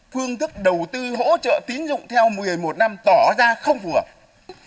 phương thức đầu tư hỗ trợ tín dụng theo một mươi một năm tỏ ra không phù hợp